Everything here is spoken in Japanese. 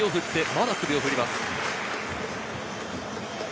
まだ首を振ります。